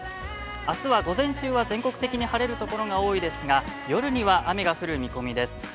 あすは午前中は晴れるところが多いですが、夜には雨が降る見込みです。